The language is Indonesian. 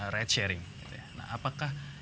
ride sharing apakah